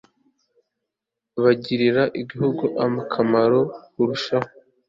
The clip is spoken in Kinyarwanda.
bagirira igihugu akamaro kurushaho